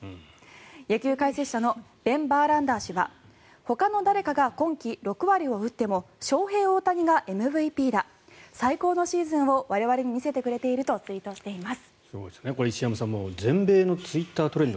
野球解説者のベン・バーランダー氏はほかの誰かが今季６割を打ってもショウヘイ・オオタニがＭＶＰだ最高のシーズンを我々に見せてくれているとツイートしています。